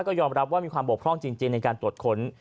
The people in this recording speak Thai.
ก็ยอมรับว่ามีความบกพร่องจริงในการตรวจค้น